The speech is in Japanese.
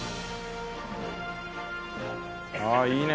ああいいね。